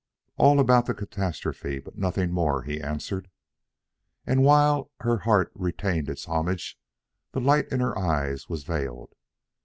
"All about the catastrophe; but nothing more," he answered. And while her heart retained its homage, the light in her eyes was veiled.